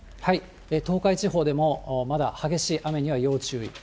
東海地方でも、まだ激しい雨には要注意。